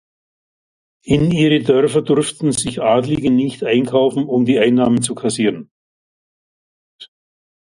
In ihre Dörfer durften sich Adlige nicht einkaufen, um die Einnahmen zu kassieren.